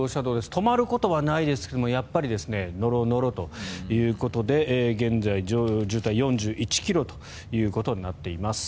止まることはないですがやっぱりノロノロということで現在、渋滞は４１ｋｍということになっています。